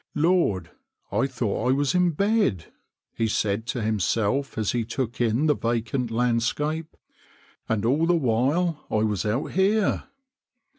" Lord ! I thought I was in bed," he said to himself as he took in the vacant landscape, "and all the while I was out here."